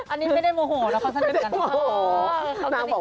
อันนี้ไม่ได้โมโหระเพราะสั้นเมศกัน